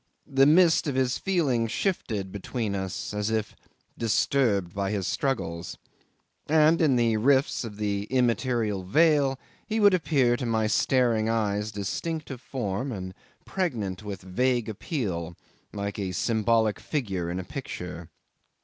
The mist of his feelings shifted between us, as if disturbed by his struggles, and in the rifts of the immaterial veil he would appear to my staring eyes distinct of form and pregnant with vague appeal like a symbolic figure in a picture.